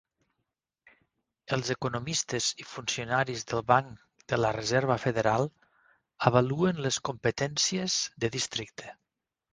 Els economistes i funcionaris del Banc de la Reserva Federal avaluen les competències de districte.